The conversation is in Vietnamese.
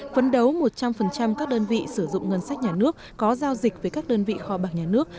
phấn đấu một trăm linh các đơn vị sử dụng ngân sách nhà nước có giao dịch với các đơn vị kho bạc nhà nước